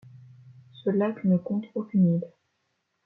Ce lac ne compte aucune île.